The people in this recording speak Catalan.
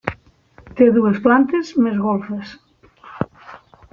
Té dues plantes més golfes.